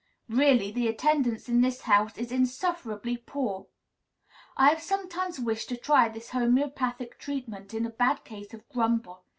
"Really, the attendance in this house is insufferably poor." I have sometimes wished to try this homoeopathic treatment in a bad case of grumble.